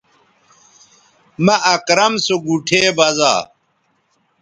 مہ اکرم سو گوٹھے بزا